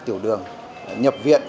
tiểu đường nhập viện